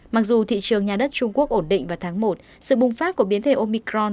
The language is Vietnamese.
mặc dù thị trường nhà đất trung quốc ổn định vào tháng một sự bùng phát của biến thể omicron